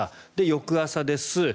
翌朝です。